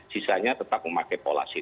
sisanya tetap memakai pola sin